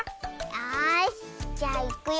よしじゃあいくよ。